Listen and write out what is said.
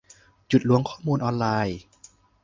หยุดล้วงข้อมูลออนไลน์